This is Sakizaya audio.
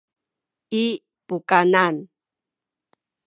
i pukanan